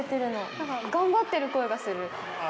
何か頑張ってる声がする。